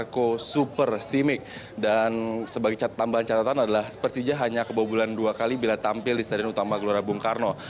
kedua di hadapan pendukungnya sendiri di stadion utama gelora bung karno